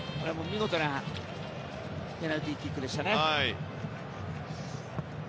見事なペナルティーキックでしたね。